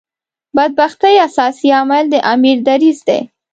بدبختۍ اساسي عامل د امیر دریځ دی.